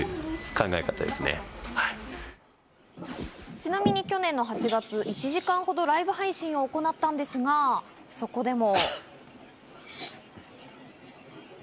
ちなみに去年の８月、１時間ほどライブ配信を行ったんですが、そこでも。